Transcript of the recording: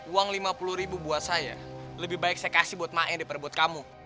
uang lima puluh ribu buat saya lebih baik saya kasih buat mak yang diperbut kamu